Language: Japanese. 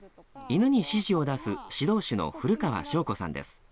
犬に指示を出す指導手の古川祥子さんです。